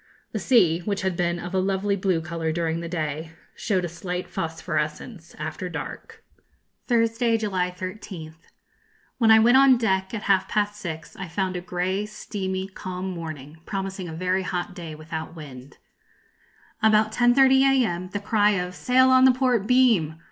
The sea, which had been of a lovely blue colour during the day, showed a slight phosphorescence after dark. Thursday, July 13th. When I went on deck, at half past six, I found a grey, steamy, calm morning, promising a very hot day, without wind. About 10.30 a.m., the cry of 'Sail on the port beam!'